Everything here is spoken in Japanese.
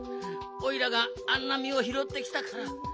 おいらがあんなみをひろってきたから。